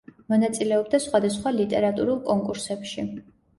მონაწილეობდა სხვადასხვა ლიტერატურულ კონკურსებში.